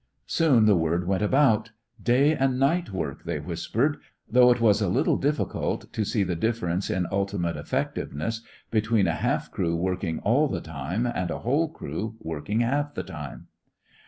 Soon the word went about. "Day and night work," they whispered, though it was a little difficult to see the difference in ultimate effectiveness between a half crew working all the time and a whole crew working half the time.